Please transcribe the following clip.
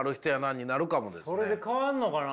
それで変わるのかな？